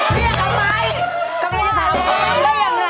เรียกทำได้อย่างไร